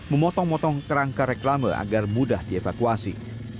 memotong motong kerangka reklame agar mudah dievakuasi